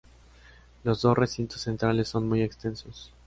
Los dos recintos centrales son muy extensos.